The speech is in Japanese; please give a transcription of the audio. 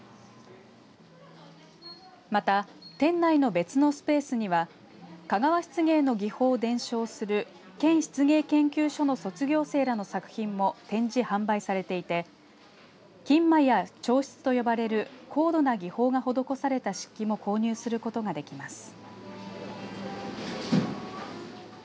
また、店内の別のスペースには香川漆芸の技法を伝承する県漆芸研究所の卒業生らの作品も展示、販売されていて蒟醤や彫漆と呼ばれる高度な技法が施された漆器も購入することができます。